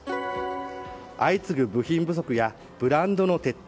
相次ぐ部品不足やブランドの撤退。